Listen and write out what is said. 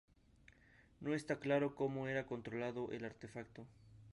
No está claro cómo era controlado el artefacto.